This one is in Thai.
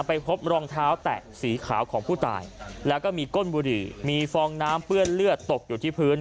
ไปพบรองเท้าแตะสีขาวของผู้ตายแล้วก็มีก้นบุหรี่มีฟองน้ำเปื้อนเลือดตกอยู่ที่พื้น